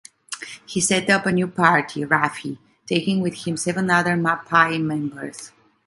He set up a new party, Rafi, taking with him seven other Mapai members.